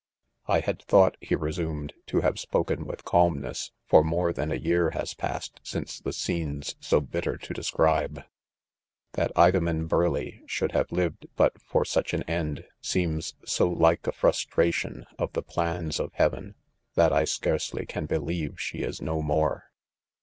" I had thought," he ^resumed,, "'to ^'have; spokep:, : wi|h calmn^ss^ for more than a year has passed since the scenes so bitter to describe. v ^rhatIdpmeu.; 6iidei g^sho.iild: have lived but for such an end, : seems' so like a frustra tion of the plans, of Heaven, : that I scarcely can believe she is no more.